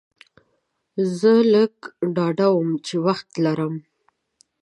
زه لږ ډاډه وم چې وخت لرم.